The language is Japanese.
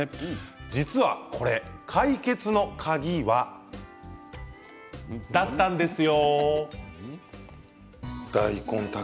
実は解決の鍵はだったんですよ。